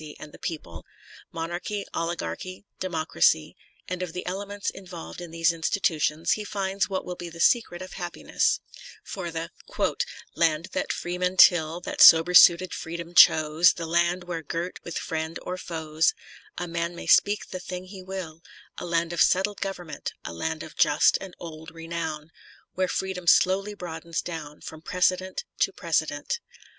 246 TENNYSON and the people— monarchy, oHgarchy, demo cracy, and of the elements involved in these institutions he finds what will be the secret of happiness for the land that freemen till, That sober suited Freedom chose, The land where girt with friend or foes A man may speak the thing he will ; A land of settled government, A land of just and old renown, Where Freedom slowly broadens down From precedent to precedent.